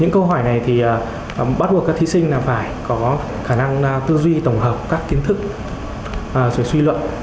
những câu hỏi này bắt buộc các thí sinh phải có khả năng tư duy tổng hợp các kiến thức và suy suy luận